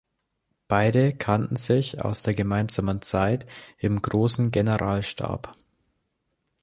Beide kannten sich aus der gemeinsamen Zeit im Großen Generalstab.